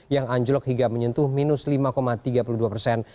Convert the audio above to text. yang anjlok hingga menyentuh minus lima tiga puluh dua persen